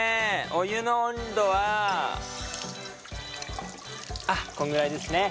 お湯の温度はあっこんぐらいですね。